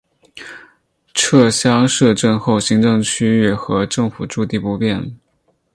撤乡设镇后行政区域和政府驻地不变。